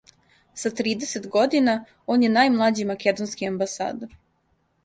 Са тридесет година, он је најмлађи македонски амбасадор.